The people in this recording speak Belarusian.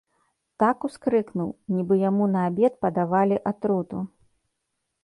Так ускрыкнуў, нібы яму на абед падавалі атруту.